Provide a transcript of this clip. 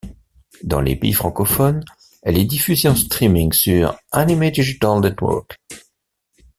Dans les pays francophones, elle est diffusée en streaming sur Anime Digital Network.